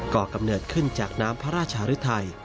่อกำเนิดขึ้นจากน้ำพระราชหรือไทย